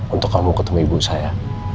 untuk kamu ketemu ibu saya